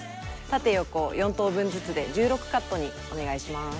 縦横４等分ずつで１６カットにお願いします。